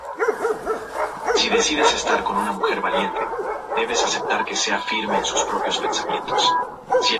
Sus inicios fueron complicados ya que el entrenador le cambiaba continuamente de posición.